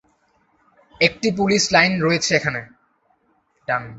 একটি police line রয়েছে এখানে।